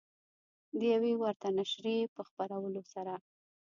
د یوې ورته نشریې په خپرولو سره